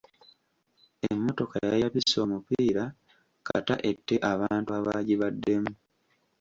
Emmotoka yayabise omupiira kata ette abantu abaagibaddemu.